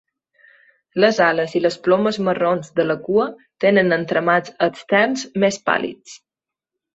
Les ales i les plomes marrons de la cua tenen entramats externs més pàl·lids.